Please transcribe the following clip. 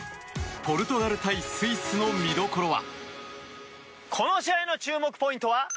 ポルトガル対スイスの見どころは。